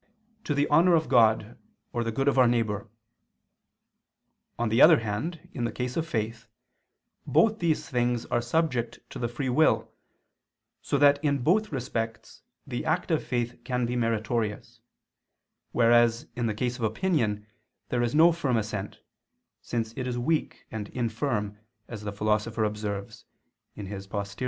to the honor of God or the good of our neighbor. On the other hand, in the case of faith, both these things are subject to the free will so that in both respects the act of faith can be meritorious: whereas in the case of opinion, there is no firm assent, since it is weak and infirm, as the Philosopher observes (Poster.